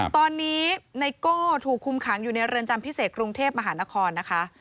ตอนนี้ไนโก้ถูกคุมขังอยู่ในเรือนจำพิเศษกรุงเทพมหานครนะคะ